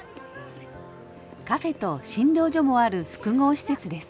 カフェと診療所もある複合施設です。